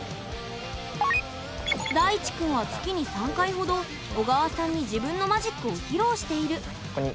大智くんは月に３回ほど緒川さんに自分のマジックを披露している。